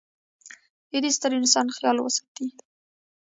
د د ې ستر انسان خیال وساتي.